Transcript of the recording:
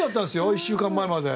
１週間前まで。